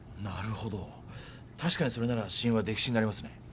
なるほど確かにそれなら死因は溺死になりますね